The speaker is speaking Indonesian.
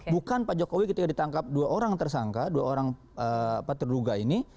bukan pak jokowi ketika ditangkap dua orang tersangka dua orang terduga ini